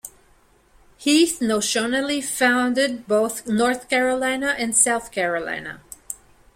Heath notionally founded both North Carolina and South Carolina.